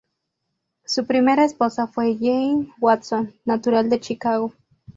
Su primera esposa fue Jeanne Watson, natural de Chicago.